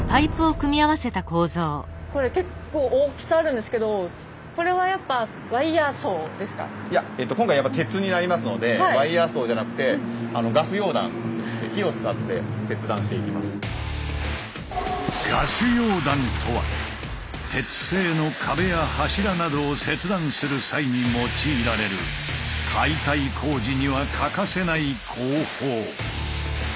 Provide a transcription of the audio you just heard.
これ結構大きさあるんですけどこれはやっぱいや今回は鉄になりますのでワイヤーソーじゃなくてガス溶断とは鉄製の壁や柱などを切断する際に用いられる解体工事には欠かせない工法。